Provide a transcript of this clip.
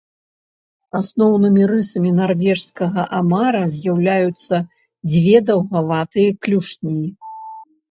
Асноўнымі рысамі нарвежскага амара з'яўляюцца дзве даўгаватыя клюшні.